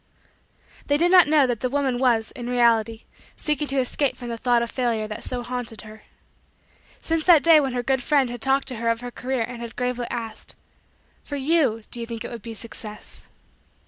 They did not know that the woman was, in reality, seeking to escape from the thought of Failure that so haunted her. Since that day when her good friend had talked to her of her career and had gravely asked "for you do you think it would be success?"